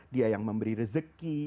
dia yang memberi rezeki